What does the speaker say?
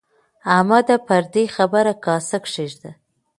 احمده! پر دې خبره کاسه کېږده.